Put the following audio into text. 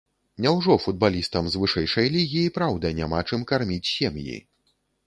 Няўжо футбалістам з вышэйшай лігі і праўда няма чым карміць сем'і?